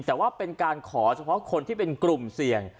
แต่ว่าเป็นการขอเฉพาะคนที่เป็นกลุ่มเสี่ยง